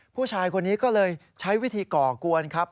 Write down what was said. ผู้ชายคนนี้ก็เลยใช้วิธีก่อกวนครับ